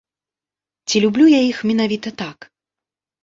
Ці люблю я іх менавіта так?